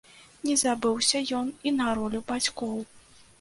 Не забыўся ён і на ролю бацькоў.